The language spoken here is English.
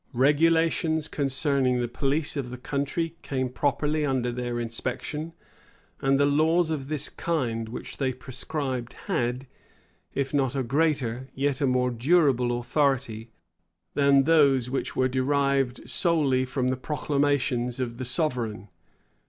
Regulations concerning the police of the country came properly under their inspection; and the laws of this kind which they prescribed, had, if not a greater, yet a more durable authority, than those which were derived solely from the proclamations of the sovereign.